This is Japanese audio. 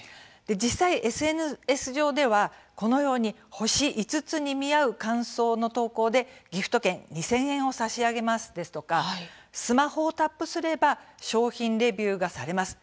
実際、ＳＮＳ上ではこのように星５つに見合う感想の投稿でギフト券２０００円を差し上げます、ですとかスマホをタップすれば商品レビューがされます。